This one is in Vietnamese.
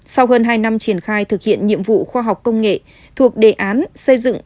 sau hơn hai năm triển khai thực hiện nhiệm vụ khoa học công nghệ thuộc đề án xây dựng